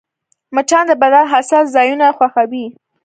مچان د بدن حساس ځایونه خوښوي